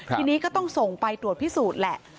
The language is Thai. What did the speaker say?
ทีนี้ก็ต้องส่งไปตรวจพิสูจน์แหละ